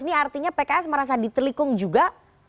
ini artinya pks merasa ditelikung juga